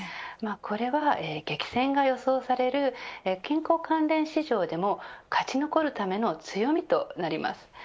これは激戦が予想される健康関連市場でも勝ち残るための強みとなります。